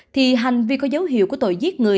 thì hành vi có dấu hiệu của tội giết người